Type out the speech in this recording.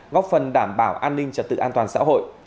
góp phần đảm bảo an ninh trật tự an toàn xã hội